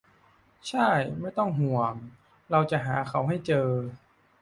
ช่าย ไม่ต้องห่วง เราจะหาเขาให้เจอ